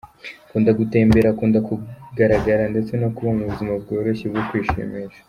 Akunda gutembera, akunda kugaragara ndetse no kuba mu buzima bworoshye bwo kwishimisha.